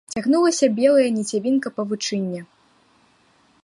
Цягнулася белая ніцявінка павучыння…